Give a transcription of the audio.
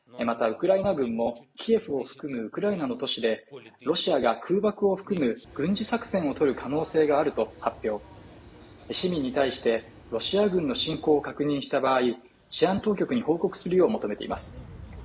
またウクライナ軍もウクライナの都市でロシアが空爆を含む軍事作戦をとる可能性があると発表市民に対してロシア軍の侵攻を確認した場合治安当局に報告するよう求めています